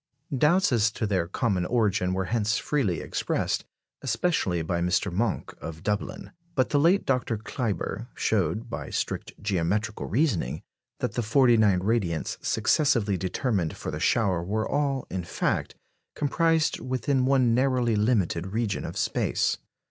Doubts as to their common origin were hence freely expressed, especially by Mr. Monck of Dublin. But the late Dr. Kleiber showed, by strict geometrical reasoning, that the forty nine radiants successively determined for the shower were all, in fact, comprised within one narrowly limited region of space.